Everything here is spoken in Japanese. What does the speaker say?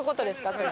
それ。